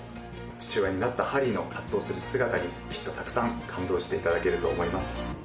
父親になったハリーの葛藤する姿にきっとたくさん感動していただけると思います